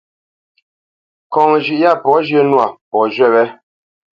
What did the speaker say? Ŋkɔŋ zhʉ̌ʼ yâ pɔ̌ zhyə̄ nwâ, pɔ̌ zhywí wé.